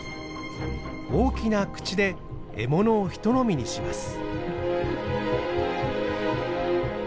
大きな口で獲物を一飲みにします。